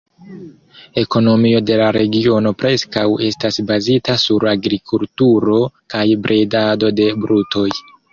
Ekonomio de la regiono preskaŭ estas bazita sur agrikulturo kaj bredado de brutoj.